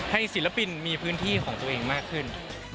ศิลปินมีพื้นที่ของตัวเองมากขึ้น